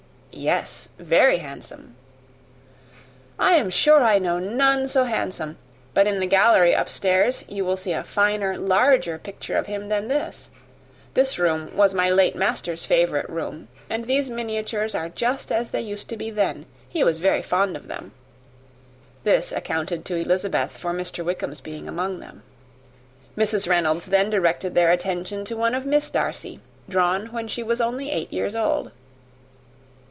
"Yes, very handsome." "I am sure I know none so handsome; but in the gallery upstairs you will see a finer, larger picture of him than this. This room was my late master's favourite room, and these miniatures are just as they used to be then. He was very fond of them." This accounted to Elizabeth for Mr. Wickham's being among them. Mrs. Reynolds then directed their attention to one of Miss Darcy, drawn when she was only eight years old.